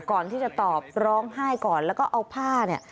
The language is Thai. ก่อนที่จะตอบร้องไห้ก่อนแล้วก็เอาผ้าเนี่ย